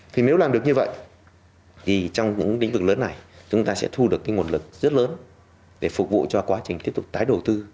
thì nếu làm được như vậy thì trong những lĩnh vực lớn này chúng ta sẽ thu được cái nguồn lực rất lớn để phục vụ cho quá trình tiếp tục tái đầu tư